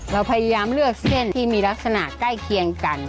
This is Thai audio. เราพยายามเลือกเส้นที่มีลักษณะใกล้เคียงกัน